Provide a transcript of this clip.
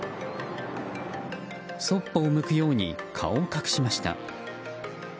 そっぽを向くように顔を隠しました。